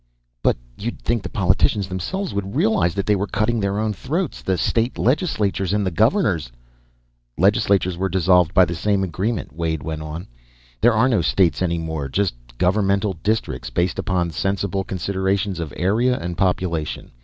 "But you'd think the politicians themselves would realize they were cutting their own throats! The state legislatures and the governors " "Legislatures were dissolved by the same agreement," Wade went on. "There are no states any more; just governmental districts. Based upon sensible considerations of area and population.